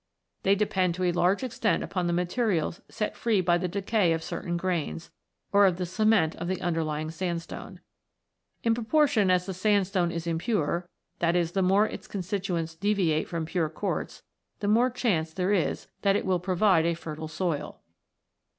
They depend to a large extent upon the materials set free by the decay of certain grains, or of the cement of the underlying sandstone. In proportion as the sand stone is impure, that is, the more its constituents deviate from pure quartz, the more chance there is that it will provide a fertile soil.